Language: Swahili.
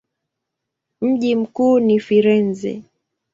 Mji mkuu ni Firenze.